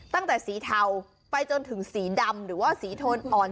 ตั้งแต่สีเทาไปจนถึงสีดำหรือว่าสีโทนอ่อน